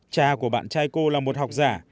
cha của bạn trai cô là một học giả